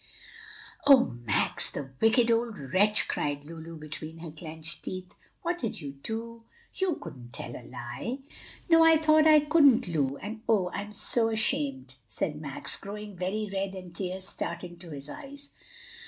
"O Max! the wicked old wretch!" cried Lulu, between her clenched teeth. "What did you do? You couldn't tell a lie!" "No, I thought I couldn't, Lu; and oh, I'm so ashamed!" said Max, growing very red and tears starting to his eyes.